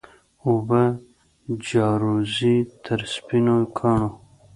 اوبه جاروزي تر سپینو کاڼو